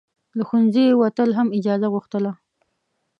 له ښوونځي وتل هم اجازه غوښتله.